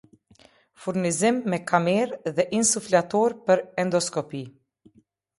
Furnizim me kamere dhe insuflator per endoskopi